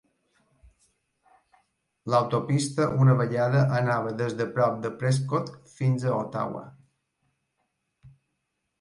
L'autopista una vegada anava des de prop de Prescott fins a Ottawa.